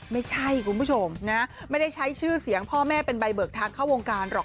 ไม่ใช่คุณผู้ชมนะไม่ได้ใช้ชื่อเสียงพ่อแม่เป็นใบเบิกทางเข้าวงการหรอก